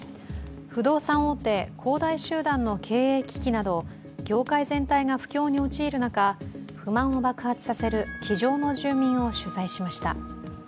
不動産大手、恒大集団の経営危機など、業界全体が不況に陥る中、不満を爆発させる鬼城の住民を取材しました。